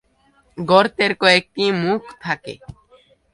গর্তের কয়েকটি মুখ থাকে।